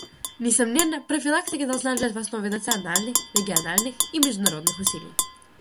Несомненно, профилактика должна лежать в основе национальных, региональных и международных усилий.